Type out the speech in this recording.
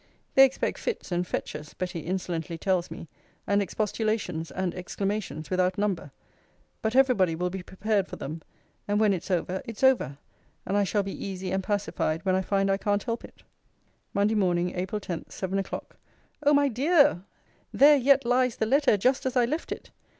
They expect fits and fetches, Betty insolently tells me, and expostulations, and exclamations, without number: but every body will be prepared for them: and when it's over, it's over; and I shall be easy and pacified when I find I can't help it. MONDAY MORN. APRIL 10, SEVEN O'CLOCK. O my dear! there yet lies the letter, just as I left it!